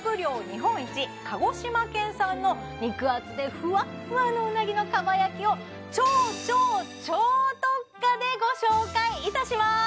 日本一鹿児島県産の肉厚でふわっふわのうなぎの蒲焼を超超超特価でご紹介いたします